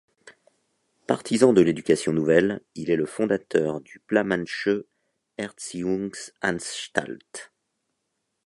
Partisan de l'Éducation nouvelle, il est le fondateur du Plamannsche Erziehungsanstalt.